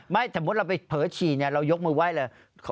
สมมุติเราไปเผลอฉี่เรายกมือไหว้เลย